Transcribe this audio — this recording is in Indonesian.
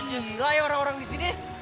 gila ya orang orang di sini